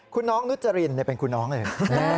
คุณน้องนุจรินเป็นคุณน้องเลย